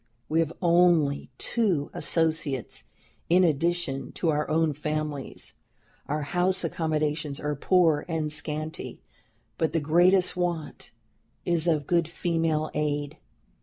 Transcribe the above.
We have only two associates in addition to our own families; our house accommodations are poor and scanty; but the greatest want is of good female aid.